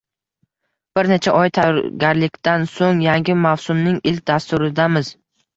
Bir necha oy tayyorgarlikdan so‘ng yangi mavsumning ilk dasturidamiz.